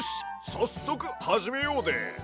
さっそくはじめようで！